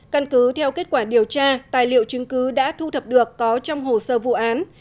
căn cứ theo kết quả điều tra tài liệu chứng cứ đã thu thập được có trong hồ sơ vụ án